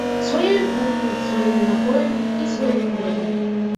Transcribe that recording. Сваёй кухняй, сваімі напоямі, і сваім хлебам.